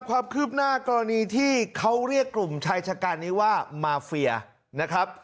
ความคืบหน้ากรณีที่เขาเรียกกลุ่มชายชะการนี้ว่ามาเฟียนะครับ